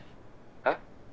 えっ？